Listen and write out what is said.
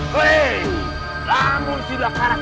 hei kamu silahkan